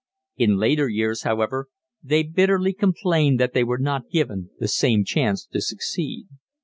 In later years, however, they bitterly complain that they were not given the same chance to succeed.